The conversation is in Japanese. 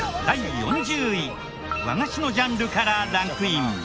第４０位和菓子のジャンルからランクイン。